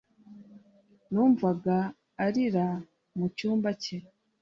Numvaga arira mu cyumba cye